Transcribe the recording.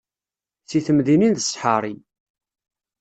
Si temdinin d ssḥari.